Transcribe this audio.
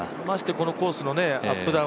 まして、このコースのアップ